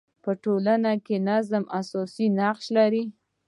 په ټولنه کي نظم اساسي نقش لري.